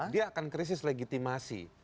dia akan krisis legitimasi